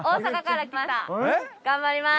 頑張ります。